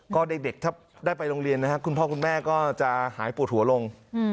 ก็เด็กถ้าได้ไปโรงเรียนนะครับคุณพ่อคุณแม่ก็จะหายปวดหัวลง